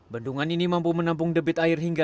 bendungan ini mampu menampung debit perusahaan